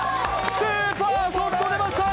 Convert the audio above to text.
スーパーショットでました！